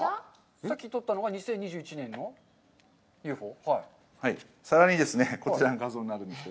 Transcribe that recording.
さっき撮ったのが２０２１年のＵＦＯ。